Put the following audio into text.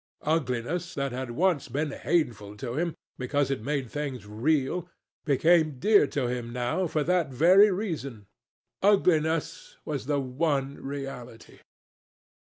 Ugliness that had once been hateful to him because it made things real, became dear to him now for that very reason. Ugliness was the one reality.